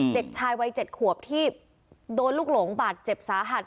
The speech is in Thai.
เด็กชายวัย๗ขวบที่โดนลูกหลงบาดเจ็บสาหัส